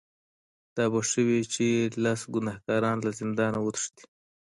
دا به ښه وي چې لس ګناهکاران له زندانه وتښتي.